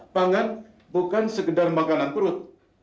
pangan bukan sekedar makanan perut